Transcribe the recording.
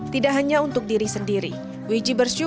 tidak hanya untuk diri sendiri